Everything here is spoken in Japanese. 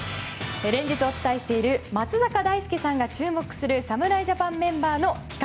連日お伝えしている松坂大輔さんが注目する侍ジャパンメンバーの企画。